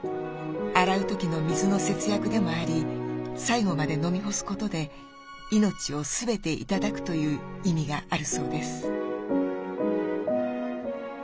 洗う時の水の節約でもあり最後まで飲み干すことで命を全て頂くという意味があるそうです。